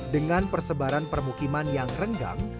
dengan persebaran permukiman yang renggang